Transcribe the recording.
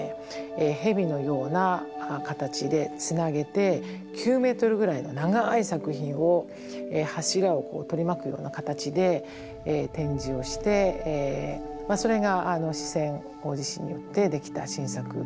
蛇のような形でつなげて９メートルぐらいの長い作品を柱を取り巻くような形で展示をしてそれが四川大地震によってできた新作というふうになりました。